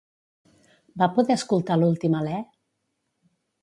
Va poder escoltar l'últim alè?